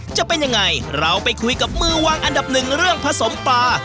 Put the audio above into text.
จะเป็นยังไงเราไปคุยกับมือวางอันดับหนึ่งเรื่องผสมปลา